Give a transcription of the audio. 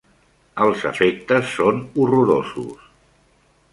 Els efectes són horrorosos.